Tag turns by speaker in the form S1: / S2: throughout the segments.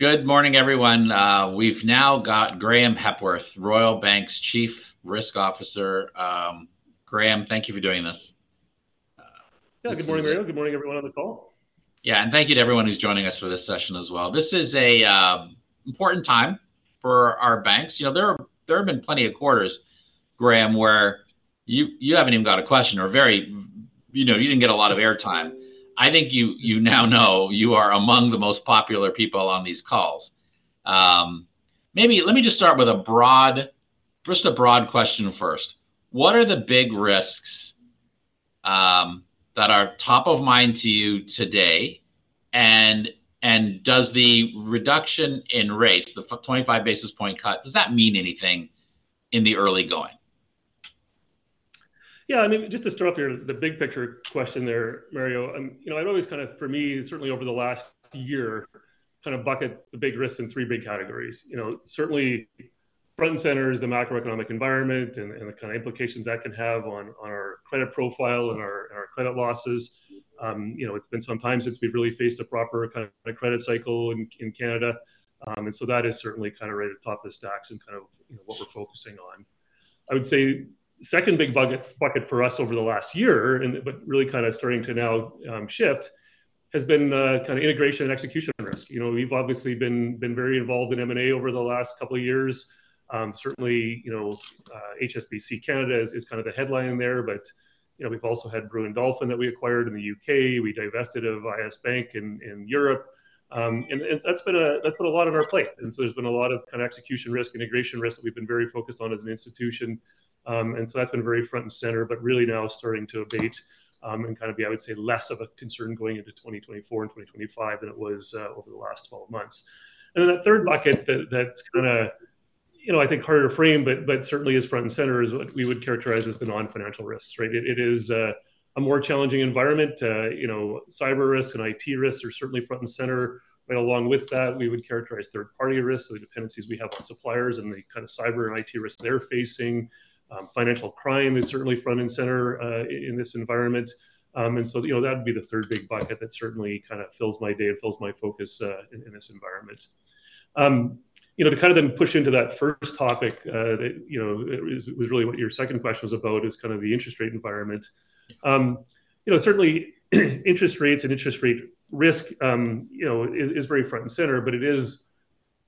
S1: Good morning, everyone. We've now got Graeme Hepworth, Royal Bank's Chief Risk Officer. Graeme, thank you for doing this. This is-
S2: Yeah, good morning, Mario. Good morning, everyone on the call.
S1: Yeah, and thank you to everyone who's joining us for this session as well. This is an important time for our banks. You know, there have, there have been plenty of quarters, Graeme, where you, you haven't even got a question or very, you know, you didn't get a lot of airtime. I think you, you now know you are among the most popular people on these calls. Maybe let me just start with a broad, just a broad question first. What are the big risks that are top of mind to you today? And does the reduction in rates, the 25 basis point cut, does that mean anything in the early going?
S2: Yeah, I mean, just to start off your, the big picture question there, Mario, you know, I've always kind of, for me, certainly over the last year, kind of bucket the big risks in three big categories. You know, certainly front and center is the macroeconomic environment and the kind of implications that can have on our credit profile and our credit losses. You know, it's been some time since we've really faced a proper kind of credit cycle in Canada. And so that is certainly kind of right at the top of the stacks and kind of, you know, what we're focusing on. I would say the second big bucket for us over the last year and but really kind of starting to now shift has been the kind of integration and execution risk. You know, we've obviously been very involved in M&A over the last couple of years. Certainly, you know, HSBC Canada is kind of the headline there, but, you know, we've also had Brewin Dolphin that we acquired in the UK. We divested of I.S. Bank in Europe. And that's been a lot on our plate, and so there's been a lot of kind of execution risk, integration risk that we've been very focused on as an institution. And so that's been very front and center, but really now starting to abate, and kind of be, I would say, less of a concern going into 2024 and 2025 than it was over the last 12 months. And then that third bucket that, that's kind of, you know, I think, harder to frame, but certainly is front and center, is what we would characterize as the non-financial risks, right? It is a more challenging environment. You know, cyber risk and IT risks are certainly front and center, but along with that, we would characterize third-party risks, so the dependencies we have on suppliers and the kind of cyber and IT risk they're facing. Financial crime is certainly front and center in this environment. And so, you know, that'd be the third big bucket that certainly kind of fills my day and fills my focus in this environment. You know, to kind of then push into that first topic, that, you know, was really what your second question was about, is kind of the interest rate environment. You know, certainly, interest rates and interest rate risk, you know, is very front and center, but it is,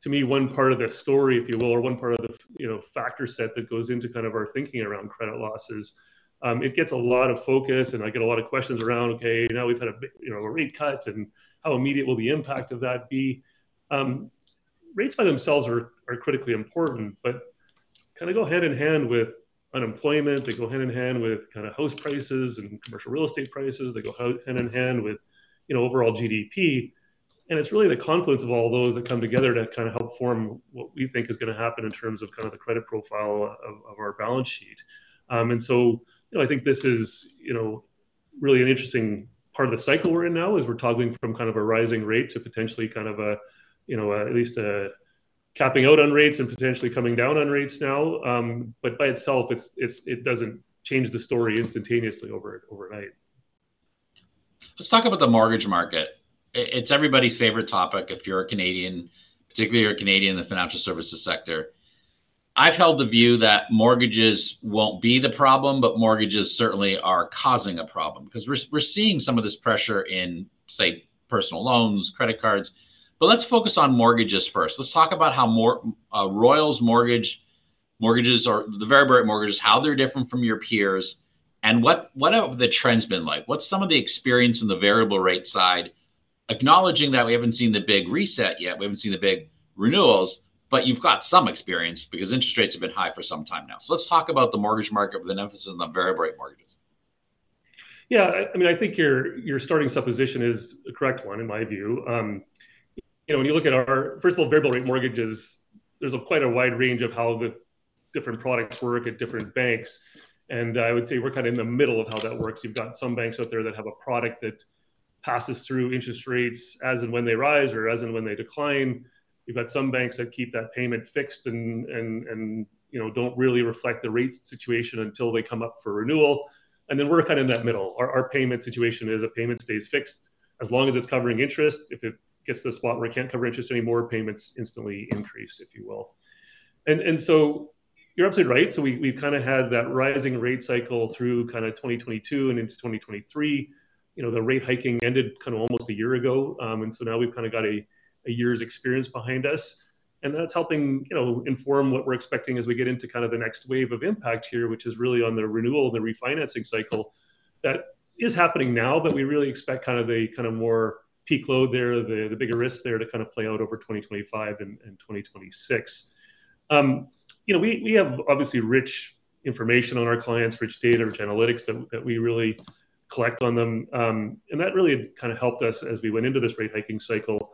S2: to me, one part of the story, if you will, or one part of the, you know, factor set that goes into kind of our thinking around credit losses. It gets a lot of focus, and I get a lot of questions around, "Okay, now we've had a big, you know, rate cuts, and how immediate will the impact of that be?" Rates by themselves are critically important, but kind of go hand in hand with unemployment. They go hand in hand with kind of house prices and commercial real estate prices. They go hand in hand with, you know, overall GDP, and it's really the confluence of all those that come together to kind of help form what we think is going to happen in terms of kind of the credit profile of our balance sheet. And so, you know, I think this is, you know, really an interesting part of the cycle we're in now, is we're toggling from kind of a rising rate to potentially kind of a, you know, at least a capping out on rates and potentially coming down on rates now. But by itself, it's, it doesn't change the story instantaneously overnight.
S1: Let's talk about the mortgage market. It's everybody's favorite topic if you're a Canadian, particularly you're a Canadian in the financial services sector. I've held the view that mortgages won't be the problem, but mortgages certainly are causing a problem because we're, we're seeing some of this pressure in, say, personal loans, credit cards. But let's focus on mortgages first. Let's talk about how Royal's mortgage, mortgages or the variable rate mortgages, how they're different from your peers, and what, what have the trends been like? What's some of the experience in the variable rate side? Acknowledging that we haven't seen the big reset yet, we haven't seen the big renewals, but you've got some experience because interest rates have been high for some time now. So let's talk about the mortgage market with an emphasis on the variable rate mortgages.
S2: Yeah, I mean, I think your starting supposition is a correct one, in my view. You know, when you look at our... First of all, variable rate mortgages, there's quite a wide range of how the different products work at different banks, and I would say we're kind of in the middle of how that works. You've got some banks out there that have a product that passes through interest rates as and when they rise or as and when they decline. You've got some banks that keep that payment fixed and, you know, don't really reflect the rate situation until they come up for renewal. And then we're kind of in that middle. Our payment situation is a payment stays fixed as long as it's covering interest. If it gets to the spot where it can't cover interest anymore, payments instantly increase, if you will. And, and so you're absolutely right. So we, we've kind of had that rising rate cycle through kind of 2022 and into 2023. You know, the rate hiking ended kind of almost a year ago. And so now we've kind of got a, a year's experience behind us, and that's helping, you know, inform what we're expecting as we get into kind of the next wave of impact here, which is really on the renewal, the refinancing cycle. That is happening now, but we really expect kind of a, kind of more peak load there, the, the bigger risk there to kind of play out over 2025 and, and 2026. You know, we have obviously rich information on our clients, rich data, rich analytics that we really collect on them. And that really kind of helped us as we went into this rate hiking cycle,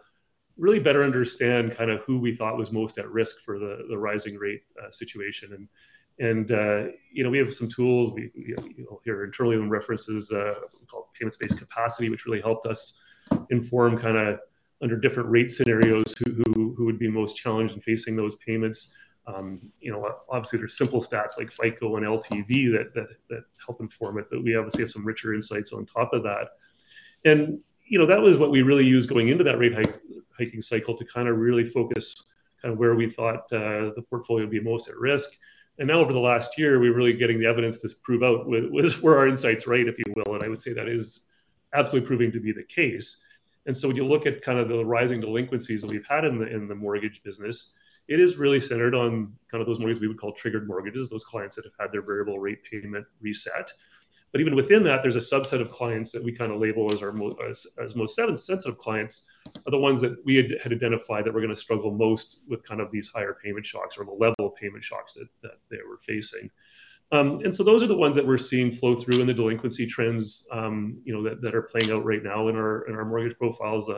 S2: really better understand kind of who we thought was most at risk for the rising rate situation. And you know, we have some tools, we you know, here internally, we references called payment-based capacity, which really helped us inform kind of under different rate scenarios, who would be most challenged in facing those payments. You know, obviously, there's simple stats like FICO and LTV that help inform it, but we obviously have some richer insights on top of that. You know, that was what we really used going into that rate hike, hiking cycle to kind of really focus kind of where we thought the portfolio would be most at risk. And now over the last year, we're really getting the evidence to prove out whether our insights were right, if you will. And I would say that is absolutely proving to be the case. And so when you look at kind of the rising delinquencies that we've had in the mortgage business, it is really centered on kind of those mortgages we would call triggered mortgages, those clients that have had their variable rate payment reset. But even within that, there's a subset of clients that we kind of label as our most sensitive clients, are the ones that we had identified that we're gonna struggle most with kind of these higher payment shocks or the level of payment shocks that they were facing. And so those are the ones that we're seeing flow through in the delinquency trends, you know, that are playing out right now in our mortgage profiles,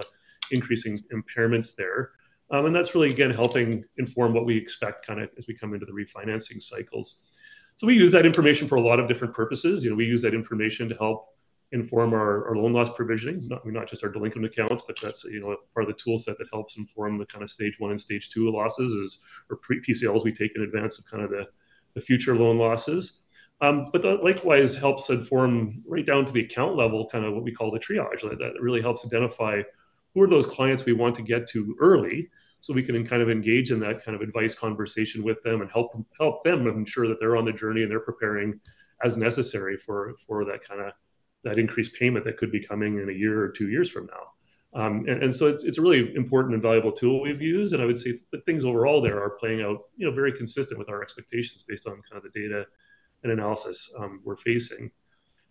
S2: increasing impairments there. And that's really, again, helping inform what we expect kinda as we come into the refinancing cycles. So we use that information for a lot of different purposes. You know, we use that information to help inform our, our loan loss provisioning, not, not just our delinquent accounts, but that's, you know, part of the tool set that helps inform the kind of Stage 1 and Stage 2 losses as or pre PCLs we take in advance of kind of the, the future loan losses. But that likewise helps inform right down to the account level, kind of what we call the triage. Like that really helps identify who are those clients we want to get to early, so we can kind of engage in that kind of advice conversation with them and help, help them ensure that they're on the journey and they're preparing as necessary for, for that that increased payment that could be coming in a year or two years from now. And, and so it's, it's a really important and valuable tool we've used, and I would say the things overall there are playing out, you know, very consistent with our expectations based on kind of the data and analysis, we're facing.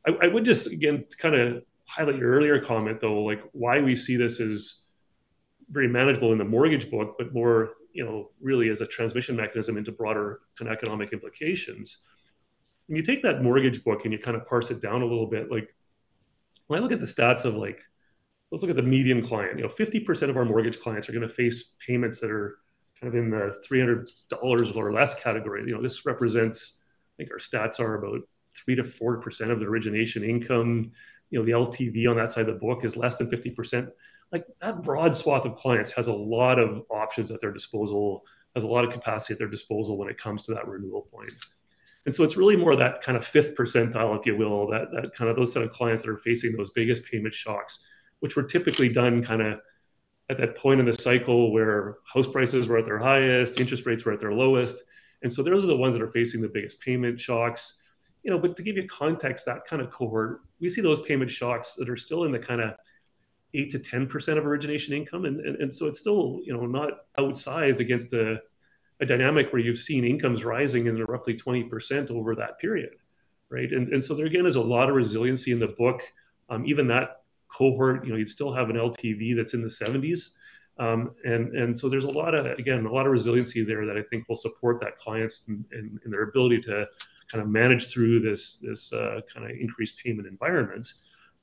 S2: I, I would just, again, to kinda highlight your earlier comment, though, like why we see this as very manageable in the mortgage book, but more, you know, really as a transmission mechanism into broader kind of economic implications. When you take that mortgage book and you kind of parse it down a little bit, like when I look at the stats of like... Let's look at the median client. You know, 50% of our mortgage clients are gonna face payments that are kind of in the 300 dollars or less category. You know, this represents, I think our stats are about 3%-4% of the origination income. You know, the LTV on that side of the book is less than 50%. Like, that broad swath of clients has a lot of options at their disposal, has a lot of capacity at their disposal when it comes to that renewal point. And so it's really more of that kind of fifth percentile, if you will, that, that kind of those set of clients that are facing those biggest payment shocks, which were typically done kinda at that point in the cycle where house prices were at their highest, interest rates were at their lowest, and so those are the ones that are facing the biggest payment shocks. You know, but to give you context, that kind of cohort, we see those payment shocks that are still in the kinda 8%-10% of origination income, and so it's still, you know, not outsized against a dynamic where you've seen incomes rising in the roughly 20% over that period, right? And so there again is a lot of resiliency in the book. Even that cohort, you know, you'd still have an LTV that's in the 70s. And so there's a lot of, again, a lot of resiliency there that I think will support that clients and their ability to kind of manage through this kind of increased payment environment.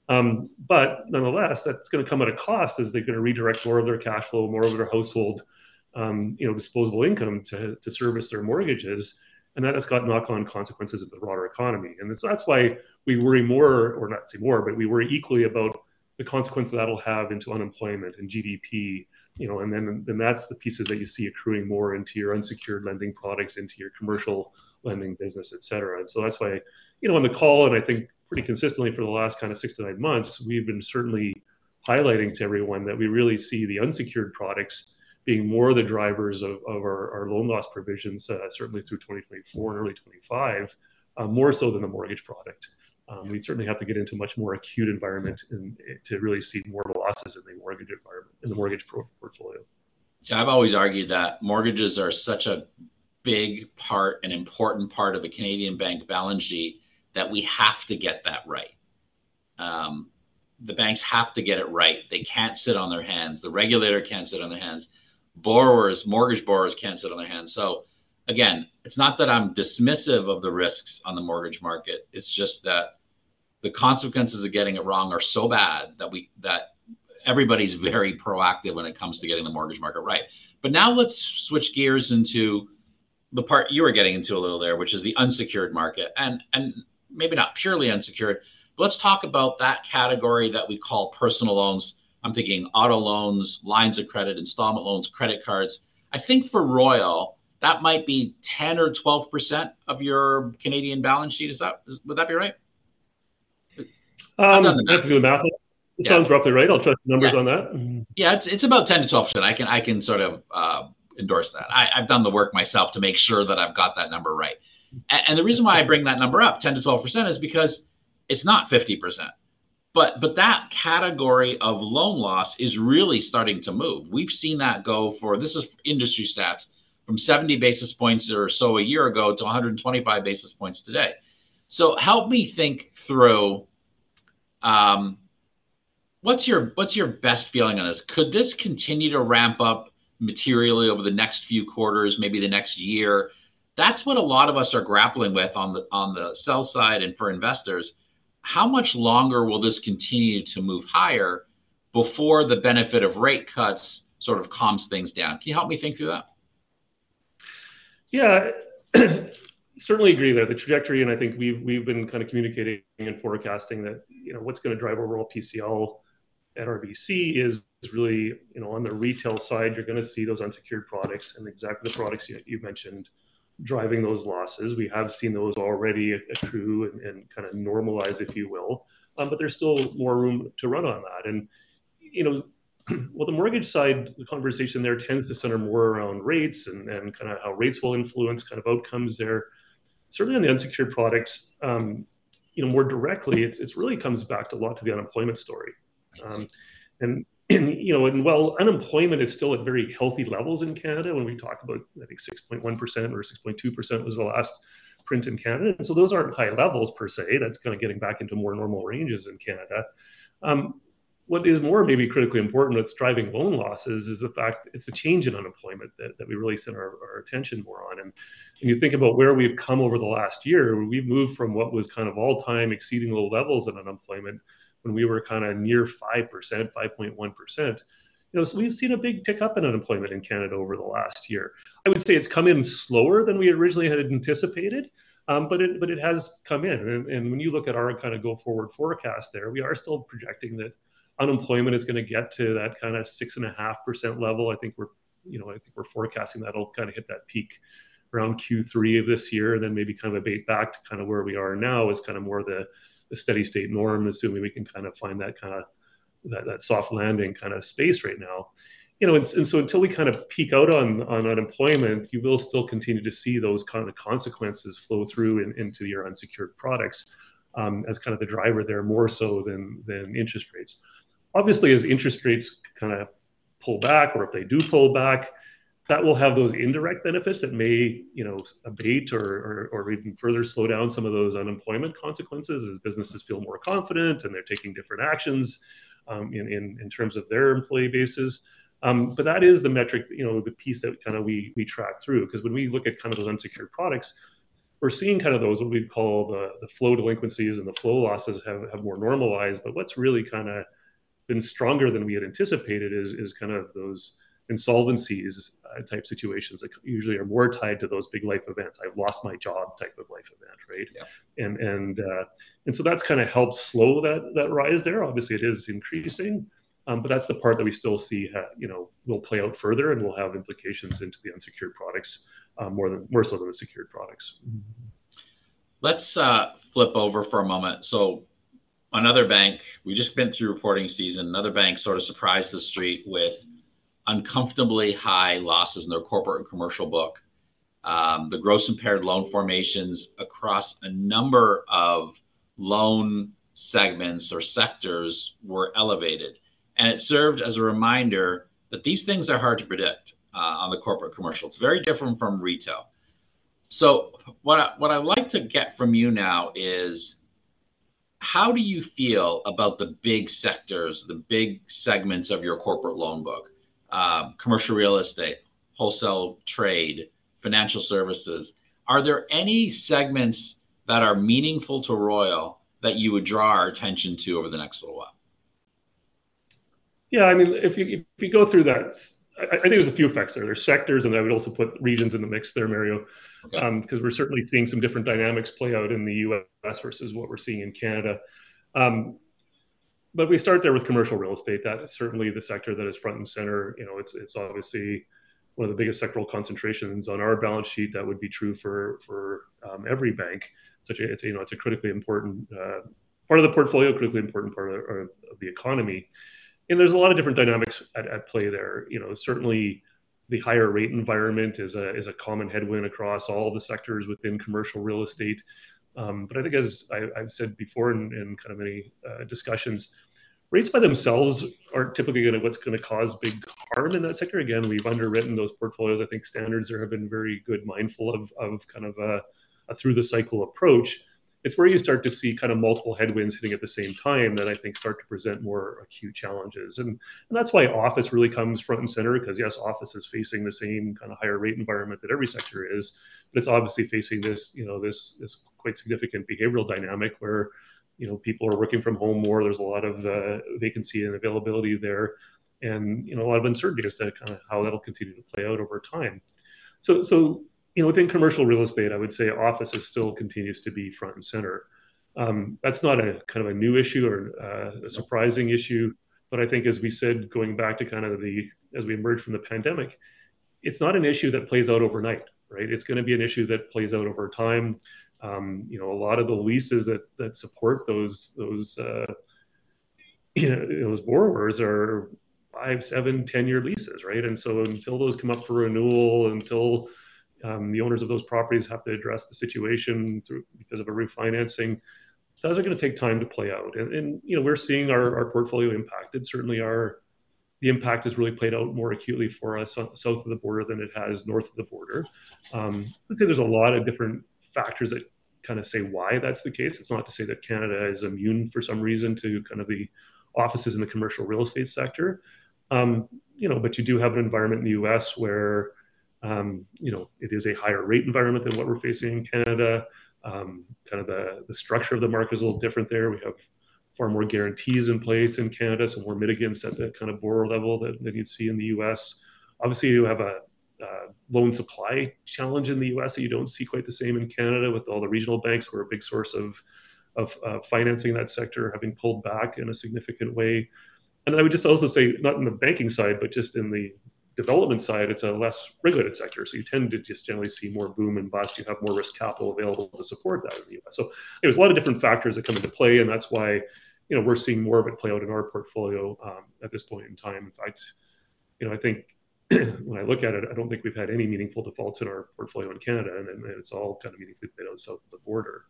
S2: But nonetheless, that's gonna come at a cost as they're gonna redirect more of their cash flow, more of their household, you know, disposable income to, to service their mortgages, and that has got knock-on consequences of the broader economy. And so that's why we worry more, or not say more, but we worry equally about the consequence that'll have into unemployment and GDP, you know, and then, and that's the pieces that you see accruing more into your unsecured lending products, into your commercial lending business, etcetera. And so that's why, you know, on the call, and I think pretty consistently for the last kind of 6-9 months, we've been certainly highlighting to everyone that we really see the unsecured products being more the drivers of our loan loss provisions, certainly through 2024 and early 2025, more so than a mortgage product. We'd certainly have to get into a much more acute environment to really see more of the losses in the mortgage portfolio.
S1: So I've always argued that mortgages are such a big part, an important part of the Canadian bank balance sheet, that we have to get that right. The banks have to get it right. They can't sit on their hands, the regulator can't sit on their hands. Borrowers, mortgage borrowers can't sit on their hands. So again, it's not that I'm dismissive of the risks on the mortgage market, it's just that the consequences of getting it wrong are so bad that we, that everybody's very proactive when it comes to getting the mortgage market right. But now let's switch gears into the part you were getting into a little there, which is the unsecured market, and, and maybe not purely unsecured. Let's talk about that category that we call personal loans. I'm thinking auto loans, lines of credit, installment loans, credit cards. I think for Royal, that might be 10 or 12% of your Canadian balance sheet. Would that be right?
S2: I'd have to do the math.
S1: Yeah.
S2: It sounds roughly right. I'll check the numbers on that.
S1: Yeah, it's about 10%-12%. I can sort of endorse that. I've done the work myself to make sure that I've got that number right. And the reason why I bring that number up, 10%-12%, is because it's not 50%, but that category of loan loss is really starting to move. We've seen that go for... This is industry stats, from 70 basis points or so a year ago, to 125 basis points today. So help me think through, what's your best feeling on this? Could this continue to ramp up materially over the next few quarters, maybe the next year? That's what a lot of us are grappling with on the sell side and for investors. How much longer will this continue to move higher before the benefit of rate cuts sort of calms things down? Can you help me think through that?
S2: Yeah, certainly agree there. The trajectory, and I think we've been kind of communicating and forecasting that, you know, what's gonna drive overall PCL at RBC is really, you know, on the retail side, you're gonna see those unsecured products and exactly the products you mentioned driving those losses. We have seen those already accrue and kind of normalize, if you will. But there's still more room to run on that. And, you know, well, the mortgage side, the conversation there tends to center more around rates and kind of how rates will influence kind of outcomes there. Certainly, on the unsecured products, you know, more directly, it's really comes back to a lot to the unemployment story.
S1: I see.
S2: You know, while unemployment is still at very healthy levels in Canada, when we talk about, I think 6.1% or 6.2% was the last print in Canada. And so those aren't high levels per se. That's kind of getting back into more normal ranges in Canada. What is more, maybe critically important that's driving loan losses is the fact it's a change in unemployment that we really center our attention more on. And when you think about where we've come over the last year, we've moved from what was kind of all-time exceedingly low levels of unemployment when we were kind of near 5%, 5.1%. You know, so we've seen a big tick-up in unemployment in Canada over the last year. I would say it's come in slower than we originally had anticipated, but it has come in. And when you look at our kind of go-forward forecast there, we are still projecting that unemployment is gonna get to that kind of 6.5% level. I think we're, you know, I think we're forecasting that'll kind of hit that peak around Q3 of this year, and then maybe kind of abate back to kind of where we are now, is kind of more the steady state norm, assuming we can kind of find that kind of soft landing kind of space right now. You know, and so until we kind of peak out on unemployment, you will still continue to see those kind of consequences flow through into your unsecured products, as kind of the driver there, more so than interest rates. Obviously, as interest rates kind of pull back, or if they do pull back, that will have those indirect benefits that may, you know, abate or even further slow down some of those unemployment consequences as businesses feel more confident and they're taking different actions, in terms of their employee bases. But that is the metric, you know, the piece that kind of we track through. 'Cause when we look at kind of those unsecured products, we're seeing kind of those, what we'd call the flow delinquencies and the flow losses have more normalized. But what's really kind of been stronger than we had anticipated is kind of those insolvencies, type situations that usually are more tied to those big life events. "I've lost my job," type of life event, right?
S1: Yeah.
S2: So that's kind of helped slow that rise there. Obviously, it is increasing, but that's the part that we still see, you know, will play out further and will have implications into the unsecured products, more so than the secured products.
S1: Mm-hmm. Let's flip over for a moment. So another bank. We just been through reporting season, another bank sort of surprised the street with uncomfortably high losses in their corporate and commercial book. The gross impaired loan formations across a number of loan segments or sectors were elevated, and it served as a reminder that these things are hard to predict on the corporate commercial. It's very different from retail. So what I, what I'd like to get from you now is, how do you feel about the big sectors, the big segments of your corporate loan book? Commercial real estate, wholesale trade, financial services. Are there any segments that are meaningful to Royal, that you would draw our attention to over the next little while?
S2: Yeah, I mean, if you go through that, I think there's a few effects there. There's sectors, and I would also put regions in the mix there, Mario-
S1: Okay.
S2: 'Cause we're certainly seeing some different dynamics play out in the U.S. versus what we're seeing in Canada. But we start there with commercial real estate. That is certainly the sector that is front and center. You know, it's obviously one of the biggest sectoral concentrations on our balance sheet. That would be true for every bank. It's, you know, it's a critically important part of the portfolio, critically important part of the economy. And there's a lot of different dynamics at play there. You know, certainly, the higher rate environment is a common headwind across all the sectors within commercial real estate. But I think as I've said before in kind of any discussions, rates by themselves aren't typically what's gonna cause big harm in that sector. Again, we've underwritten those portfolios. I think standards there have been very good, mindful of kind of a through-the-cycle approach. It's where you start to see kind of multiple headwinds hitting at the same time that I think start to present more acute challenges. And that's why office really comes front and center, 'cause yes, office is facing the same kind of higher rate environment that every sector is, but it's obviously facing this, you know, this quite significant behavioral dynamic where, you know, people are working from home more. There's a lot of vacancy and availability there, and, you know, a lot of uncertainty as to kind of how that'll continue to play out over time. So, you know, within commercial real estate, I would say office is still continues to be front and center. That's not a kind of a new issue or a surprising issue, but I think as we said, going back to kind of the as we emerged from the pandemic, it's not an issue that plays out overnight, right? It's gonna be an issue that plays out over time. You know, a lot of the leases that support those borrowers are 5, 7, 10-year leases, right? And so until those come up for renewal, the owners of those properties have to address the situation through because of a refinancing, those are gonna take time to play out. And you know, we're seeing our portfolio impacted. Certainly, the impact has really played out more acutely for us south of the border than it has north of the border. Let's say there's a lot of different factors that kind of say why that's the case. It's not to say that Canada is immune for some reason to kind of the offices in the commercial real estate sector. You know, but you do have an environment in the U.S. where, you know, it is a higher rate environment than what we're facing in Canada. Kind of the, the structure of the market is a little different there. We have far more guarantees in place in Canada, some more mitigants at the kind of borrower level that, that you'd see in the U.S. Obviously, you have a loan supply challenge in the U.S. that you don't see quite the same in Canada, with all the regional banks who are a big source of, of, financing that sector, having pulled back in a significant way. Then I would just also say, not in the banking side, but just in the development side, it's a less regulated sector, so you tend to just generally see more boom and bust. You have more risk capital available to support that in the U.S. So there's a lot of different factors that come into play, and that's why, you know, we're seeing more of it play out in our portfolio, at this point in time. In fact, you know, I think, when I look at it, I don't think we've had any meaningful defaults in our portfolio in Canada, and it's all kind of meaningfully played out south of the border.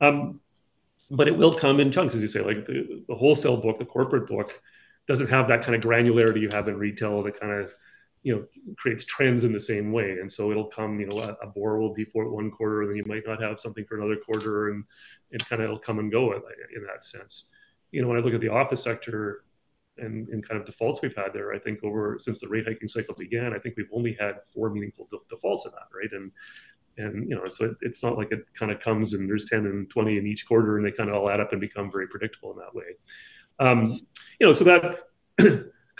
S2: But it will come in chunks, as you say. Like, the wholesale book, the corporate book, doesn't have that kind of granularity you have in retail that kind of, you know, creates trends in the same way. And so it'll come, you know, a borrower will default one quarter, then you might not have something for another quarter, and it kind of will come and go in that sense. You know, when I look at the office sector and kind of defaults we've had there, I think over... Since the rate hiking cycle began, I think we've only had four meaningful defaults in that, right? And you know, so it's not like it kind of comes and there's 10 and 20 in each quarter, and they kind of all add up and become very predictable in that way. You know, so that's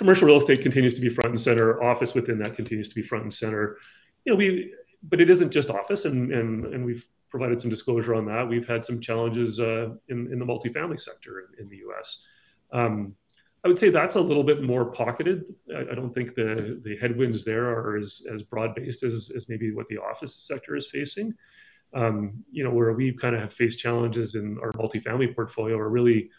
S2: commercial real estate continues to be front and center. Office within that continues to be front and center. You know, but it isn't just office, and we've provided some disclosure on that. We've had some challenges in the multifamily sector in the U.S. I would say that's a little bit more pocketed. I don't think the headwinds there are as broad-based as maybe what the office sector is facing. You know, where we've kind of have faced challenges in our multifamily portfolio are really,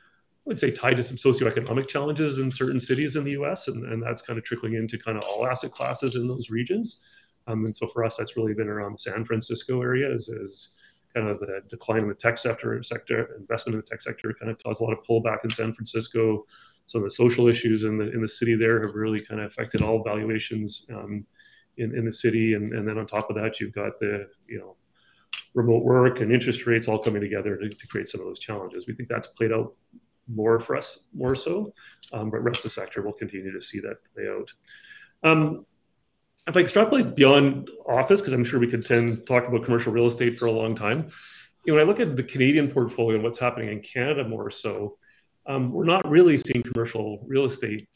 S2: I'd say, tied to some socioeconomic challenges in certain cities in the U.S., and that's kind of trickling into kind of all asset classes in those regions. And so for us, that's really been around San Francisco area, as kind of the decline in the tech sector. Investment in the tech sector kind of caused a lot of pullback in San Francisco. Some of the social issues in the city there have really kind of affected all valuations in the city. And then on top of that, you've got the, you know, remote work and interest rates all coming together to create some of those challenges. We think that's played out more for us, more so. But the rest of the sector will continue to see that play out. If I extrapolate beyond office, because I'm sure we could spend talk about commercial real estate for a long time. When I look at the Canadian portfolio and what's happening in Canada more so, we're not really seeing commercial real estate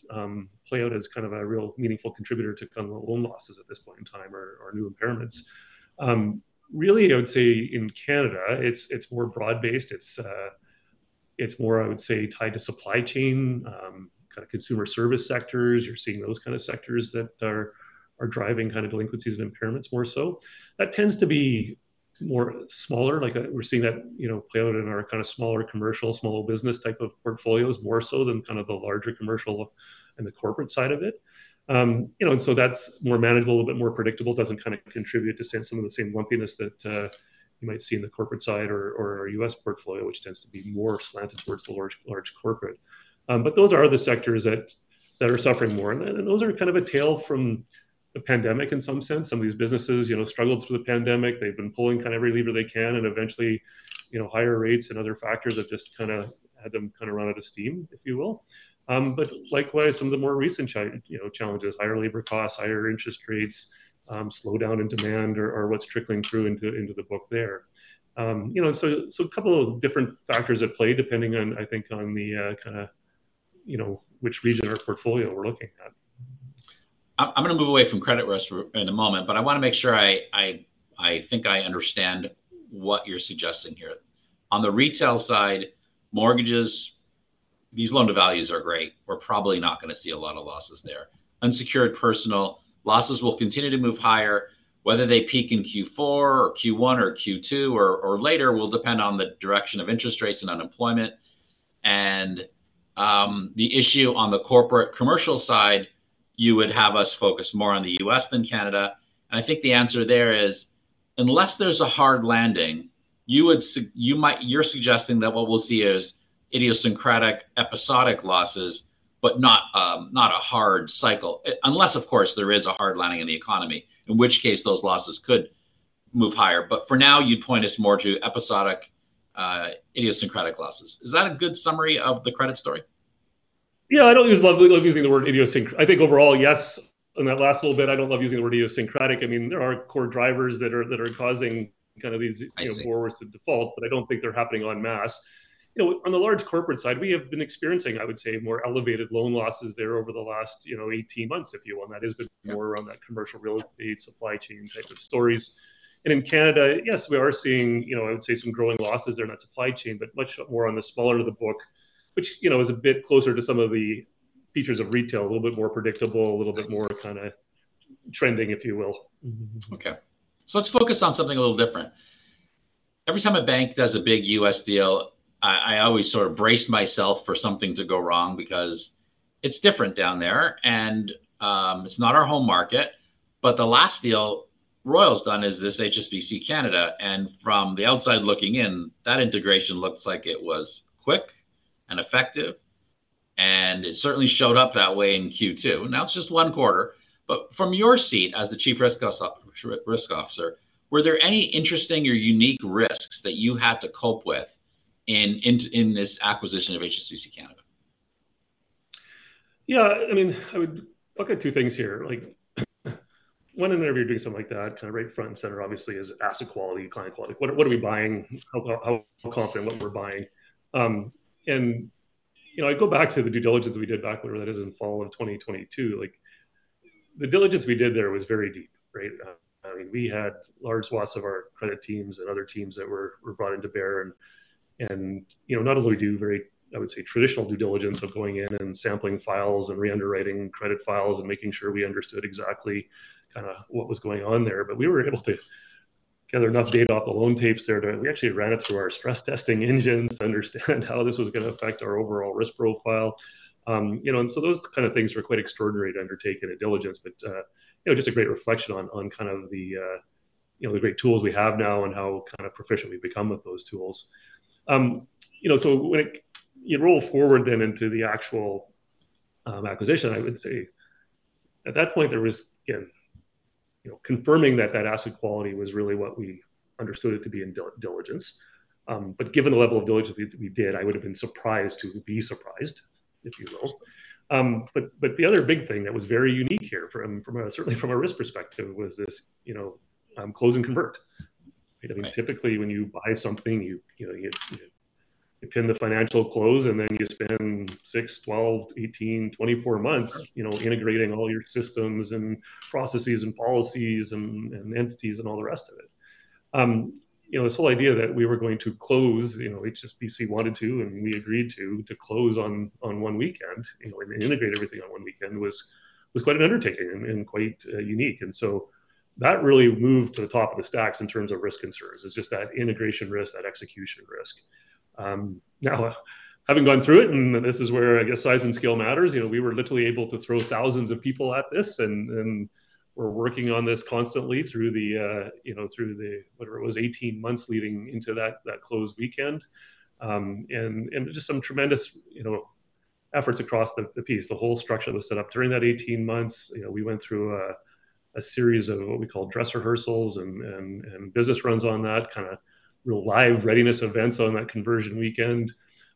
S2: play out as kind of a real meaningful contributor to kind of loan losses at this point in time or, or new impairments. Really, I would say in Canada, it's, it's more broad-based. It's, it's more, I would say, tied to supply chain kind of consumer service sectors. You're seeing those kind of sectors that are driving kind of delinquencies and impairments more so. That tends to be more smaller, like we're seeing that, you know, play out in our kind of smaller commercial, small business type of portfolios, more so than kind of the larger commercial and the corporate side of it. You know, and so that's more manageable, a little bit more predictable. Doesn't kind of contribute to some of the same lumpiness that you might see in the corporate side or our U.S. portfolio, which tends to be more slanted towards the large, large corporate. But those are the sectors that are suffering more, and those are kind of a tale from the pandemic in some sense. Some of these businesses, you know, struggled through the pandemic. They've been pulling kind of every lever they can, and eventually, you know, higher rates and other factors have just kind of had them kind of run out of steam, if you will. But likewise, some of the more recent, you know, challenges, higher labor costs, higher interest rates, slowdown in demand are what's trickling through into the book there. You know, so a couple of different factors at play, depending on, I think, on the kind of, you know, which region or portfolio we're looking at.
S1: I'm gonna move away from credit risk in a moment, but I want to make sure I think I understand what you're suggesting here. On the retail side, mortgages, these loan to values are great. We're probably not gonna see a lot of losses there. Unsecured personal losses will continue to move higher. Whether they peak in Q4 or Q1 or Q2 or later will depend on the direction of interest rates and unemployment. And the issue on the corporate commercial side, you would have us focus more on the US than Canada, and I think the answer there is, unless there's a hard landing, you're suggesting that what we'll see is idiosyncratic, episodic losses, but not a hard cycle. Unless, of course, there is a hard landing in the economy, in which case those losses could move higher. But for now, you'd point us more to episodic, idiosyncratic losses. Is that a good summary of the credit story?
S2: Yeah. I don't love using the word idiosyncratic. I think overall, yes, on that last little bit, I don't love using the word idiosyncratic. I mean, there are core drivers that are causing kind of these-
S1: I see...
S2: borrowers to default, but I don't think they're happening en masse. You know, on the large corporate side, we have been experiencing, I would say, more elevated loan losses there over the last, you know, 18 months, if you will. And that has been-
S1: Yeah...
S2: more around that commercial real estate supply chain type of stories. And in Canada, yes, we are seeing, you know, I would say some growing losses there, not supply chain, but much more on the smaller of the book, which, you know, is a bit closer to some of the features of retail, a little bit more predictable, a little bit more-
S1: I see...
S2: kind of trending, if you will. Mm-hmm.
S1: Okay, so let's focus on something a little different. Every time a bank does a big US deal, I always sort of brace myself for something to go wrong because it's different down there and it's not our home market. But the last deal Royal's done is this HSBC Bank Canada, and from the outside looking in, that integration looks like it was quick and effective, and it certainly showed up that way in Q2. Now, it's just one quarter, but from your seat as the Chief Risk Officer, were there any interesting or unique risks that you had to cope with in this acquisition of HSBC Bank Canada?
S2: Yeah, I mean, I would look at two things here. Like, whenever you're doing something like that, kind of right front and center, obviously, is asset quality, client quality. What are we buying? How confident in what we're buying? You know, I go back to the due diligence we did back, whatever that is, in fall of 2022. Like, the diligence we did there was very deep, right? I mean, we had large swaths of our credit teams and other teams that were brought in to bear. And, you know, not only do very, I would say, traditional due diligence of going in and sampling files and re-underwriting credit files and making sure we understood exactly kind of what was going on there. But we were able to gather enough data off the loan tapes there to. We actually ran it through our stress testing engines to understand how this was gonna affect our overall risk profile. You know, and so those kind of things were quite extraordinary to undertake in a diligence. But, you know, just a great reflection on kind of the great tools we have now and how kind of proficient we've become with those tools. You know, so when you roll forward then into the actual acquisition, I would say at that point there was, again, you know, confirming that that asset quality was really what we understood it to be in due diligence. But given the level of diligence we did, I would've been surprised to be surprised, if you will. But the other big thing that was very unique here, certainly from a risk perspective, was this, you know, close and convert, right?
S1: Right.
S2: I mean, typically, when you buy something, you know, you pin the financial close, and then you spend 6, 12, 18, 24 months-
S1: Right...
S2: you know, integrating all your systems and processes and policies and entities and all the rest of it. You know, this whole idea that we were going to close, you know, HSBC wanted to, and we agreed to close on 1 weekend, you know, and integrate everything on 1 weekend, was quite an undertaking and quite unique. And so that really moved to the top of the stacks in terms of risk concerns. It's just that integration risk, that execution risk. Now, having gone through it, and this is where, I guess, size and scale matters, you know, we were literally able to throw thousands of people at this. And we're working on this constantly through the, you know, whatever it was, 18 months leading into that close weekend. And just some tremendous, you know, efforts across the piece. The whole structure was set up during that 18 months. You know, we went through a series of what we call dress rehearsals and business runs on that, kind of real live readiness events on that conversion weekend.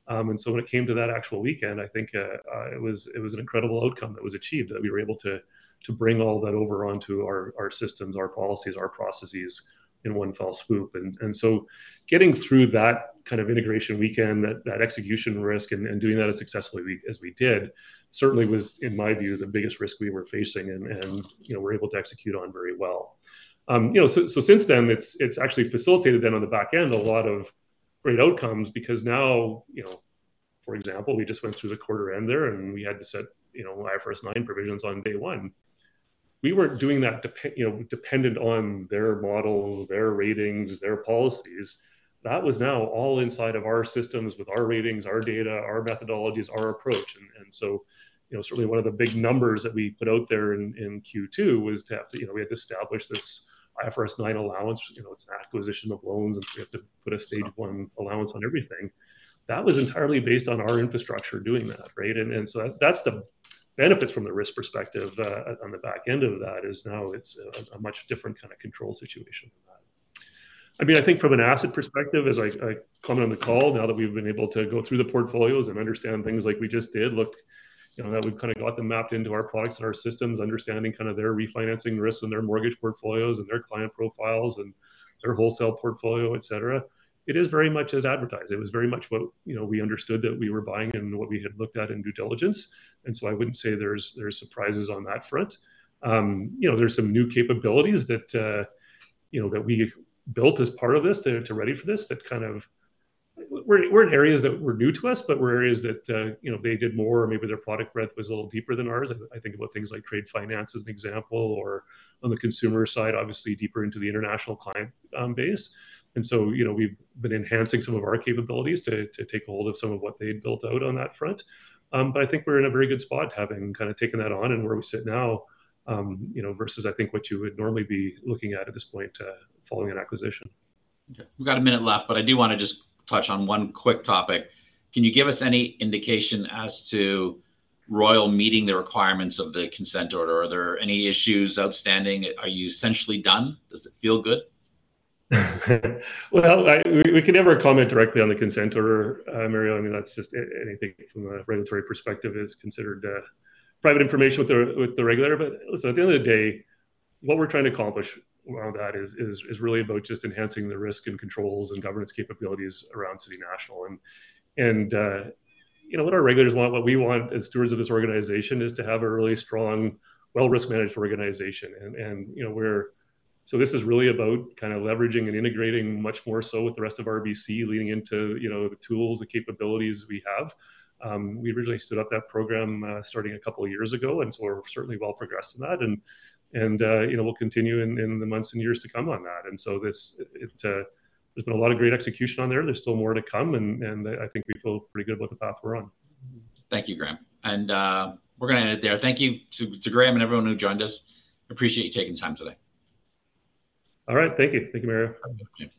S2: And so when it came to that actual weekend, I think, it was an incredible outcome that was achieved, that we were able to bring all that over onto our systems, our policies, our processes in one fell swoop. And so getting through that kind of integration weekend, that execution risk, and doing that as successfully as we did, certainly was, in my view, the biggest risk we were facing and, you know, we're able to execute on very well. You know, so since then it's actually facilitated then on the back end, a lot of great outcomes because now, you know, for example, we just went through the quarter end there, and we had to set, you know, IFRS 9 provisions on day one. We weren't doing that, you know, dependent on their models, their ratings, their policies. That was now all inside of our systems with our ratings, our data, our methodologies, our approach. And so, you know, certainly one of the big numbers that we put out there in Q2 was to have, you know, we had to establish this IFRS 9 allowance. You know, it's an acquisition of loans, and so we have to put a Stage 1 allowance on everything. That was entirely based on our infrastructure doing that, right? That's the benefits from the risk perspective, on the back end of that, is now it's a much different kind of control situation than that. I mean, I think from an asset perspective, as I commented on the call, now that we've been able to go through the portfolios and understand things like we just did, look, you know, now we've kind of got them mapped into our products and our systems, understanding kind of their refinancing risks and their mortgage portfolios and their client profiles and their wholesale portfolio, et cetera, it is very much as advertised. It was very much what, you know, we understood that we were buying and what we had looked at in due diligence, and so I wouldn't say there's surprises on that front. You know, there's some new capabilities that, you know, that we built as part of this to, to ready for this, that kind of... We're in areas that were new to us, but were areas that, you know, they did more or maybe their product breadth was a little deeper than ours. I think about things like trade finance, as an example, or on the consumer side, obviously deeper into the international client base. And so, you know, we've been enhancing some of our capabilities to, to take a hold of some of what they had built out on that front. But I think we're in a very good spot, having kind of taken that on and where we sit now, you know, versus I think what you would normally be looking at, at this point, following an acquisition.
S1: Okay, we've got a minute left, but I do want to just touch on one quick topic. Can you give us any indication as to Royal meeting the requirements of the consent order? Are there any issues outstanding? Are you essentially done? Does it feel good?
S2: Well, we can never comment directly on the consent order, Mario. I mean, that's just anything from a regulatory perspective is considered private information with the regulator. But listen, at the end of the day, what we're trying to accomplish around that is really about just enhancing the risk and controls and governance capabilities around City National. And you know, what our regulators want, what we want as stewards of this organization, is to have a really strong, well-risk-managed organization. And you know, we're. So this is really about kind of leveraging and integrating much more so with the rest of RBC, leaning into, you know, the tools and capabilities we have. We originally stood up that program, starting a couple of years ago, and so we're certainly well progressed in that. You know, we'll continue in the months and years to come on that. And so this... It, there's been a lot of great execution on there. There's still more to come, and I think we feel pretty good about the path we're on.
S1: Thank you, Graeme. We're gonna end it there. Thank you to Graeme and everyone who joined us. Appreciate you taking time today.
S2: All right. Thank you. Thank you, Mario.
S1: Thank you.